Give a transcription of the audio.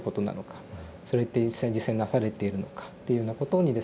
それって実際に実践なされているのかっていうようなことにですね